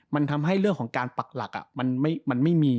มันทำให้เรื่องของการปักหลักมันไม่มี